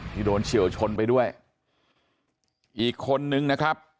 โดนเฉียวชนไปด้วยอีกคนนึงนะครับ